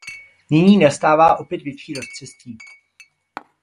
Nyní nastává opět větší rozcestí.